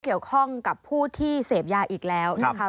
เกี่ยวข้องกับผู้ที่เสพยาอีกแล้วนะคะ